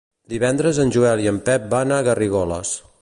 Divendres en Joel i en Pep van a Garrigoles.